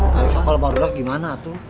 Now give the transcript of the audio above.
kalisah kalau baru dah gimana tuh